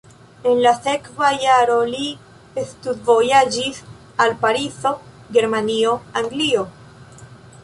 En la sekva jaro li studvojaĝis al Parizo, Germanio, Anglio.